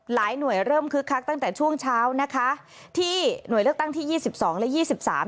หน่วยเริ่มคึกคักตั้งแต่ช่วงเช้านะคะที่หน่วยเลือกตั้งที่ยี่สิบสองและยี่สิบสาม